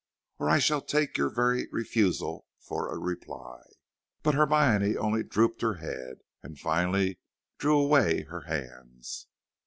or I shall take your very refusal for a reply." But Hermione only drooped her head, and finally drew away her hands.